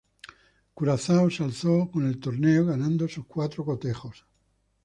Curazao se alzó con el torneo, ganando sus cuatro cotejos.